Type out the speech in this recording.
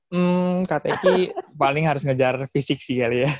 hmm kak teki paling harus ngejar fisik sih kali ya